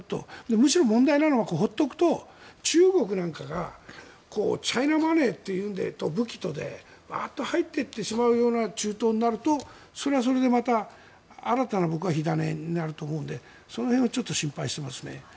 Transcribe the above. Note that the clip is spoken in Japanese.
むしろ問題なのは放っておくと中国なんかがチャイナマネーというのと武器とでバッと入ってしまうような中東になると、それはそれでまた新たな火種になると思うのでその辺はちょっと心配してますね。